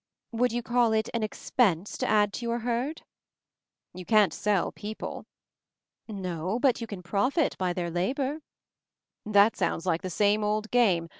Would you call it 'an expense* to add to your herd?" "You can't sell people." "No, but you can profit by their labor." "That sounds like the same old game.